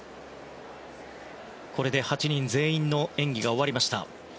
これで８人全員の演技が終わりました。